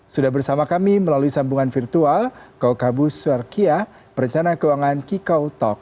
sudah bersama kami melalui sambungan virtual kaukabu suarkia perencana keuangan kiko talk